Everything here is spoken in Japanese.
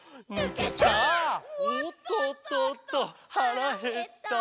「おっとっとっとはらへった」